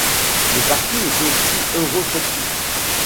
Le parti est aussi eurosceptique.